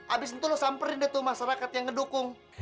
abis itu lo samperin deh tuh masyarakat yang ngedukung